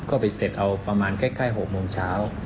ก็ไปเสร็จเอาประมาณใกล้๖โมงเช้า